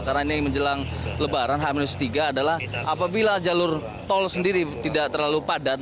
karena ini menjelang lebaran h tiga adalah apabila jalur tol sendiri tidak terlalu padat